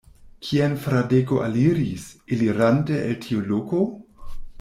Kien Fradeko aliris, elirante el tiu loko?